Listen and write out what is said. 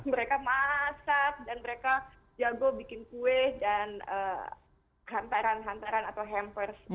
mereka masak dan mereka jago bikin kue dan hantaran hantaran atau hamper lebaran seperti itu